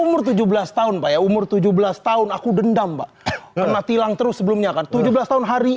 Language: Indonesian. umur tujuh belas tahun pak ya umur tujuh belas tahun aku dendam pak kena tilang terus sebelumnya kan tujuh belas tahun hari